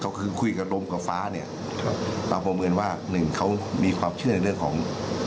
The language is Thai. ก็คือคุยกับลมกับฟ้าเนี่ยครับเราประเมินว่าหนึ่งเขามีความเชื่อในเรื่องของ